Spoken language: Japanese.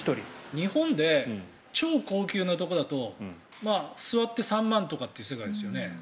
日本で超高級なところだと座って３万とかっていう世界ですよね。